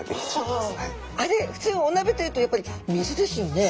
ふつうおなべというとやっぱり水ですよね。